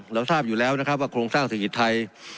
เราทราบอยู่แล้วนะครับว่าโครงสร้างเศรษฐกิจไทย